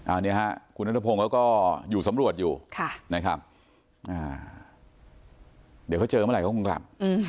อันนี้ฮะคุณนัทพงศ์เขาก็อยู่สำรวจอยู่นะครับเดี๋ยวเขาเจอเมื่อไหร่เขาคงกลับ